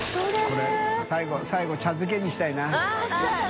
これ最後茶漬けにしたいな。